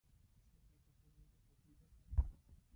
شربت د کورنۍ د خوښۍ برخه ده